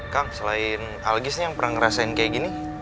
kang selain algis nih yang pernah ngerasain kayak gini